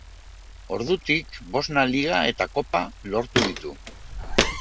Ordutik bosna Liga eta Kopa lortu ditu.